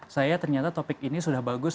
saya ternyata topik ini sudah bagus